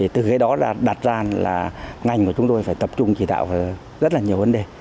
từ cái đó đặt ra là ngành của chúng tôi phải tập trung trì tạo rất là nhiều vấn đề